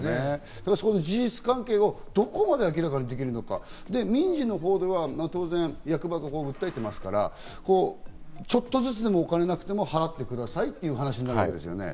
事実関係をどこまで明らかにできるのか、民事のほうでは当然、役場が訴えていますから、ちょっとずつでもお金がなくても払ってくださいという話になるわけですね。